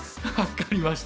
分かりました。